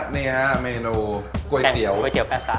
นี่ฮะเมนูก๋วยเตี๋ยวแปะซะ